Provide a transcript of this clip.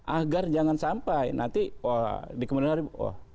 agar jangan sampai nanti wah di kemudian hari wah